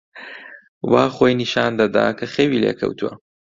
وا خۆی نیشان دەدا کە خەوی لێ کەوتووە.